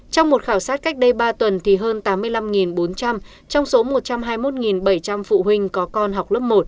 trong một khảo sát cách đây ba tuần thì hơn tám mươi năm bốn trăm linh trong số một trăm hai mươi một bảy trăm linh phụ huynh có con học lớp một